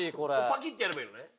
パキってやればいいのね。